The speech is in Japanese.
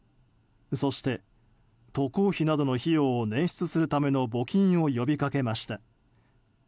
そして渡航費などの費用を捻出するための募金を呼びかけました。